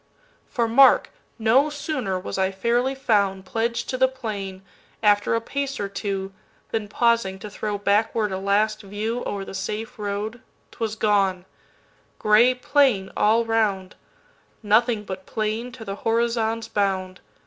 For mark! no sooner was I fairly foundPledged to the plain, after a pace or two, Than, pausing to throw backward a last viewO'er the safe road, 't was gone; gray plain all round:Nothing but plain to the horizon's bound.